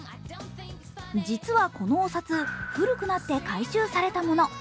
実はこのお札、古くなって回収されたもの。